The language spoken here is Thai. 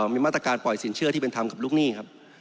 มีมาตรการปล่อยสินเชื่อที่เป็นธรรมกับลูกหนี้ครับ